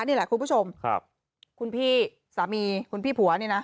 นี่แหละคุณผู้ชมครับคุณพี่สามีคุณพี่ผัวเนี่ยนะ